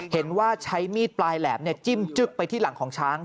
เห็นว่าใช้มีดปลายแหลมจิ้มจึ๊กไปที่หลังของช้าง